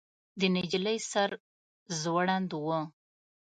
د نجلۍ سر ځوړند و.